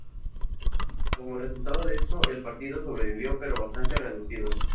Como resultado de esto, el partido sobrevivió, pero bastante reducido.